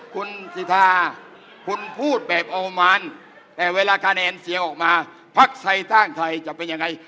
คุณสิทธาคุณพูดแบบโอมานแต่เวลาคะแนนเสียงออกมาพักไทยสร้างไทยจะเป็นยังไง